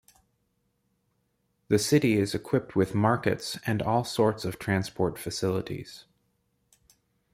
The city is equipped with markets and all sorts of transport facilities.